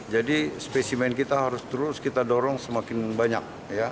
jadi spesimen kita harus terus kita dorong semakin banyak